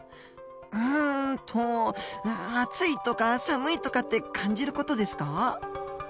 うんと暑いとか寒いとかって感じる事ですか？